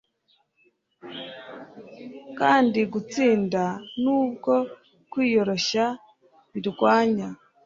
kandi gutsinda nubwo kwiyoroshya birwanya